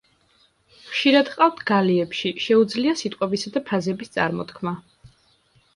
ხშირად ჰყავთ გალიებში, შეუძლია სიტყვებისა და ფრაზების წარმოთქმა.